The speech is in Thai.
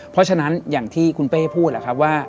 เพราะฉะนั้นอย่างที่คุณเป้พูดแหละครับว่า